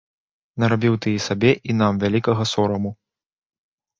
Нарабіў ты і сабе і нам вялікага сораму.